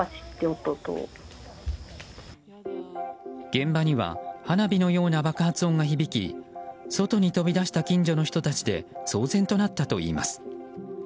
現場には花火のような爆発音が響き外に飛び出した近所の人たちで騒然となったといいます。